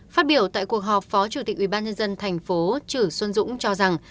phát biểu tại cuộc họp phó chủ tịch ủy ban dân thành phố chử xuân dũng cho rằng